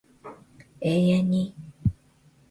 永遠に